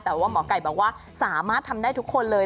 แต่ว่าหมอไก่บอกว่าสามารถทำได้ทุกคนเลย